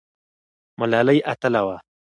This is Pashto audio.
ملالۍ اتله وه؟